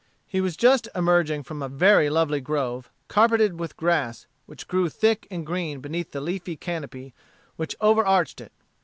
He was just emerging from a very lovely grove, carpeted with grass, which grew thick and green beneath the leafy canopy which overarched it.